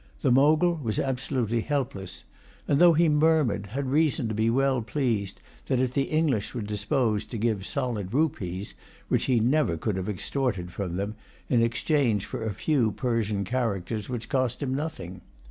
The Mogul was absolutely helpless; and, though he murmured, had reason to be well pleased that the English were disposed to give solid rupees, which he never could have extorted from them, in exchange for a few Persian characters which cost him nothing.